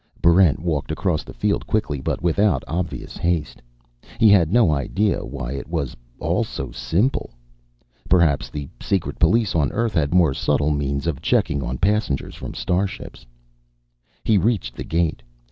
Barrent walked across the field, quickly but without obvious haste. He had no idea why it was all so simple. Perhaps the secret police on Earth had more subtle means of checking on passengers from starships. He reached the gate.